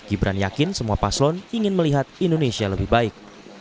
gibran yakin semua paslon ingin melihat indonesia lebih baik